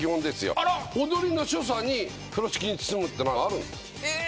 あら踊りの所作に風呂敷に包むっていうのがあるんですええー